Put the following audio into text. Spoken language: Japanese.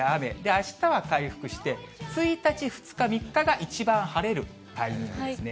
あしたは回復して、１日、２日、３日が一番晴れるタイミングですね。